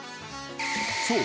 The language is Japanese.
［そう。